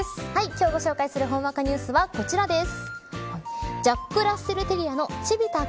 今日ご紹介するほんわかニュースはこちらです。